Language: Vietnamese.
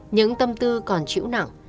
những tâm tư còn chịu nặng